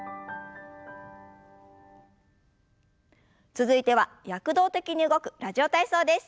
続いては躍動的に動く「ラジオ体操」です。